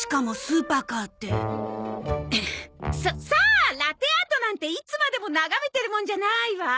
さっさあラテアートなんていつまでも眺めてるもんじゃないわ。